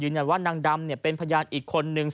ยืนยันว่านางดำเป็นพญานอีกคนนึง